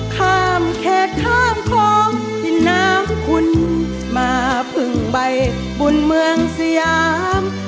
ข้ามเขตข้ามคลองที่น้ำคุณมาพึ่งใบบุญเมืองสยาม